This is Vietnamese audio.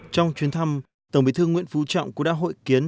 trong chuyến thăm tổng bí thư nguyễn phú trọng cũng đã hội kiến